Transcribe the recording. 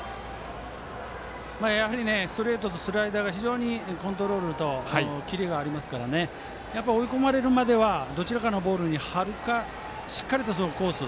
ストレートとスライダーが非常にコントロールとキレがありますから追い込まれるまではどちらかのボールに張るかしっかりとコース。